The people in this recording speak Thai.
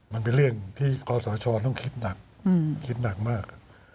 มันเป็นเรื่องที่ขอสชต้องคิดหนักคิดหนักมาก